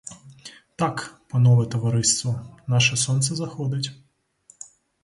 Так, панове товариство, наше сонце заходить.